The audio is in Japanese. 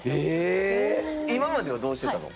今まではどうしてたの？